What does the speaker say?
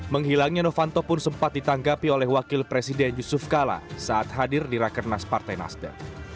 menghilangnya novanto pun sempat ditanggapi oleh wakil presiden yusuf kala saat hadir di rakernas partai nasdem